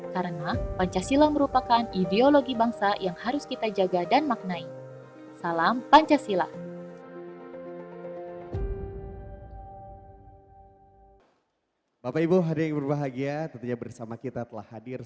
karena pancasila merupakan ideologi bangsa yang harus kita jaga dan maknai